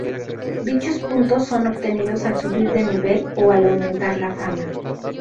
Dichos puntos son obtenidos al subir de nivel o al aumentar la fama.